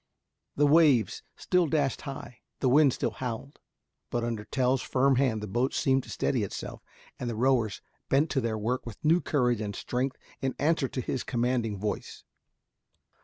The waves still dashed high, the wind still howled, but under Tell's firm hand the boat seemed to steady itself, and the rowers bent to their work with new courage and strength in answer to his commanding voice.